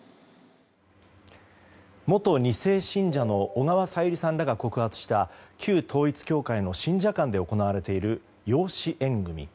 元２世信者の小川さゆりさんらが告発した旧統一教会の信者間で行われている養子縁組。